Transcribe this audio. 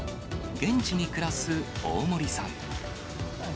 現地に暮らす大森さん。